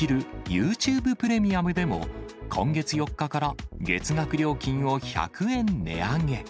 ユーチューブプレミアムでも今月４日から月額料金を１００円値上げ。